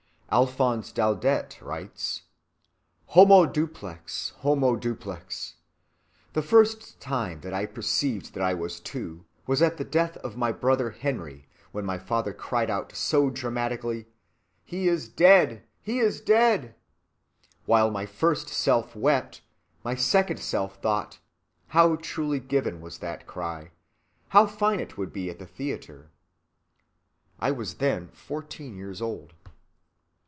"Homo duplex, homo duplex!" writes Alphonse Daudet. "The first time that I perceived that I was two was at the death of my brother Henri, when my father cried out so dramatically, 'He is dead, he is dead!' While my first self wept, my second self thought, 'How truly given was that cry, how fine it would be at the theatre.' I was then fourteen years old.